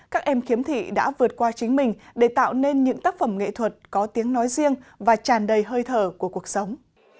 các em khiếm thị đã vượt qua chính mình để tạo nên những tác phẩm nghệ thuật có tiếng nói riêng và tràn đầy hơi thở của cuộc sống